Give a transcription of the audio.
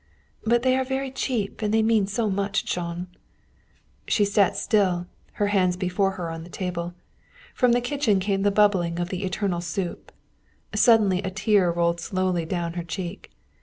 "But they are very cheap, and they mean so much, Jean." She sat still, her hands before her on the table. From the kitchen came the bubbling of the eternal soup. Suddenly a tear rolled slowly down her cheek.